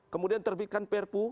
kemudian terbitkan perpu